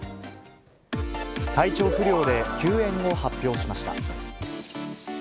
体調不良で休演を発表しました。